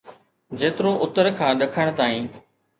جيترو اتر کان ڏکڻ تائين.